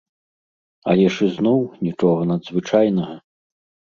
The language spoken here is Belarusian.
Але ж ізноў, нічога надзвычайнага.